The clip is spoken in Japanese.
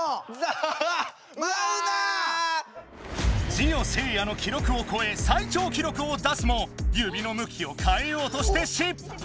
ジオせいやの記録をこえ最長記録を出すも指のむきをかえようとして失敗！